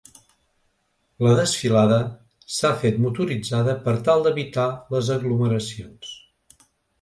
La desfilada s’ha fet motoritzada per tal d’evitar les aglomeracions.